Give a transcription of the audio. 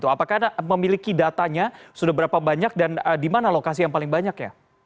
apakah anda memiliki datanya sudah berapa banyak dan di mana lokasi yang paling banyak ya